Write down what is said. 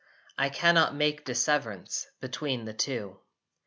I cannot make disseverance Between the two.